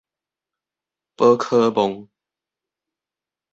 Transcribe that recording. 寶可夢